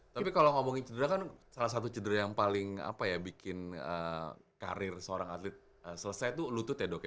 tapi kalau ngomongin cedera kan salah satu cedera yang paling apa ya bikin karir seorang atlet selesai tuh lutut ya dok ya